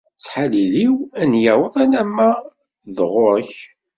Ttḥalil-iw ad n-yaweḍ alamma d ɣur-k.